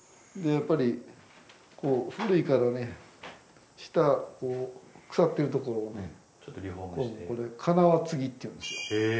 やっぱり古いからね下腐ってるところをね金輪継ぎっていうんですよ。